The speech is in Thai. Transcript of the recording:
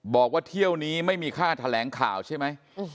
บอกว่าเที่ยวนี้ไม่มีค่าแถลงข่าวใช่ไหม